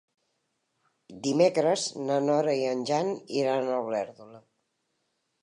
Dimecres na Nora i en Jan iran a Olèrdola.